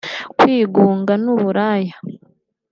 kwigunga n’uburaya